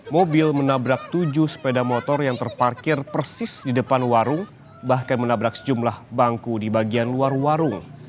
mobil menabrak tujuh sepeda motor yang terparkir persis di depan warung bahkan menabrak sejumlah bangku di bagian luar warung